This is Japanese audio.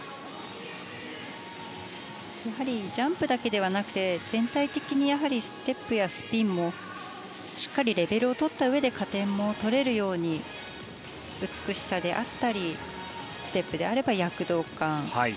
ジャンプだけではなくて全体的にステップやスピンもしっかりレベルをとったうえで加点もとれるように美しさであったりステップであれば躍動感。